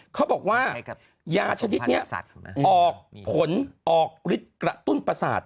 เขาบอกว่ายาชนิดนี้ออกผลออกฤทธิ์กระตุ้นประสาท